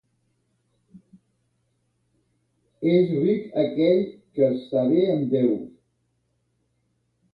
És ric aquell que està bé amb Déu.